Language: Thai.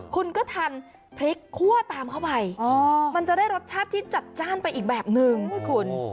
คุณก็ทานพริกคั่วตามเข้าไปมันจะได้รสชาติที่จัดจ้านไปอีกแบบนึงคุณ